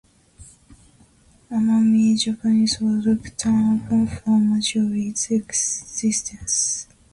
Amami Japanese was looked down upon for much of its existence.